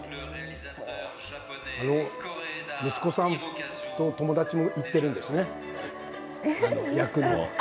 あの息子さんと友達も行っているんですね